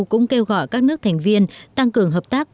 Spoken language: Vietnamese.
cũng kêu gọi các nước thành viên tăng cường hợp tác